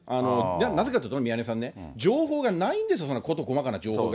なぜかというと宮根さん、情報がないんですよ、そんなこと細かな情報が。